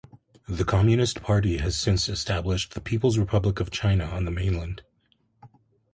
The Communist Party has since established the People's Republic of China on the mainland.